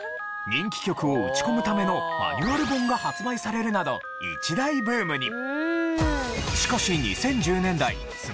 人気曲を打ち込むためのマニュアル本が発売されるなど一大ブームに。